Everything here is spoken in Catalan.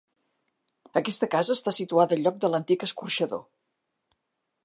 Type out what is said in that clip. Aquesta casa està situada al lloc de l'antic escorxador.